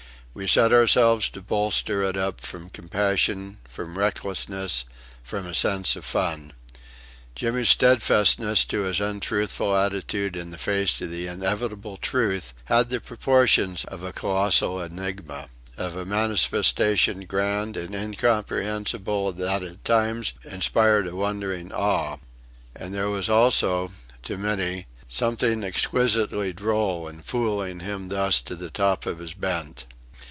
We set ourselves to bolster it up from compassion, from recklessness, from a sense of fun. Jimmy's steadfastness to his untruthful attitude in the face of the inevitable truth had the proportions of a colossal enigma of a manifestation grand and incomprehensible that at times inspired a wondering awe; and there was also, to many, something exquisitely droll in fooling him thus to the top of his bent.